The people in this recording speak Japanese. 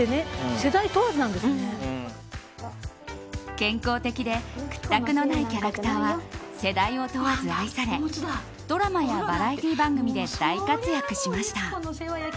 健康的で屈託のないキャラクターは世代を問わず愛されドラマやバラエティー番組で大活躍しました。